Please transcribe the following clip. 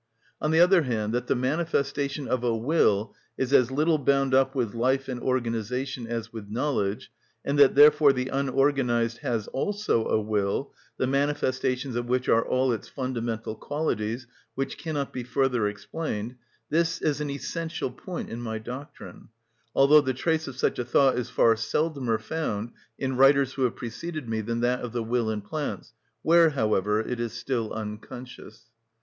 On the other hand, that the manifestation of a will is as little bound up with life and organisation as with knowledge, and that therefore the unorganised has also a will, the manifestations of which are all its fundamental qualities, which cannot be further explained,—this is an essential point in my doctrine; although the trace of such a thought is far seldomer found in writers who have preceded me than that of the will in plants, where, however, it is still unconscious.